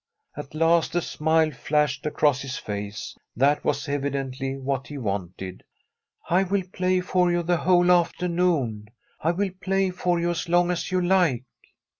At last a smile flashed across his face. That was evidently what he wanted. 7bi STORY of a COUNTRY HOUSE ' I will play for you the whole afternoon ; I will play for you as long as you like.'